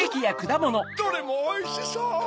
どれもおいしそう。